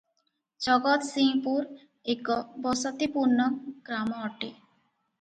ଜଗତ୍ସିଂହପୁର ଏକ ବସତିପୂର୍ଣ୍ଣ ଗ୍ରାମ ଅଟେ ।